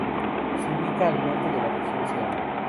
Se ubica al norte de la Región Sierra.